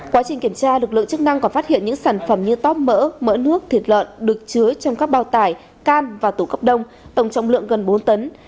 quá trình kiểm tra lực lượng chức năng còn phát hiện những sản phẩm như tóp mỡ mỡ nước thịt lợn được chứa trong các bao tải can và tủ cấp đông tổng trọng lượng gần bốn tấn